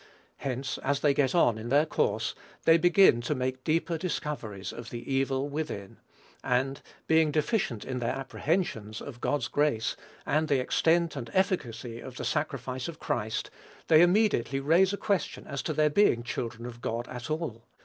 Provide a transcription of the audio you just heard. Hence, as they get on in their course, they begin to make deeper discoveries of the evil within; and, being deficient in their apprehensions of God's grace and the extent and efficacy of the sacrifice of Christ, they immediately raise a question as to their being children of God at all.